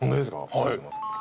はい。